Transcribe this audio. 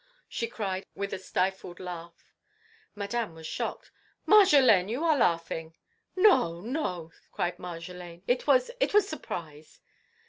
she cried, with a stifled laugh. Madame was shocked. "Marjolaine, you are laughing!" "No, no!" cried Marjolaine, "it was—it was surprise."